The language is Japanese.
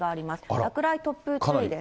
落雷、突風注意です。